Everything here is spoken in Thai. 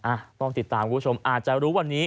ต้องติดตามคุณผู้ชมอาจจะรู้วันนี้